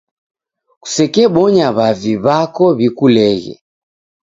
kusekebonya w'avi w'ako w'ikuleghe.